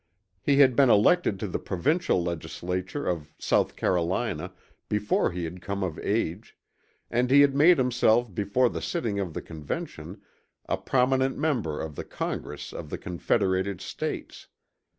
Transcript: He had been elected to the provincial legislature of South Carolina before he had come of age; and he had made himself before the sitting of the Convention a prominent member of the Congress of the Confederated States.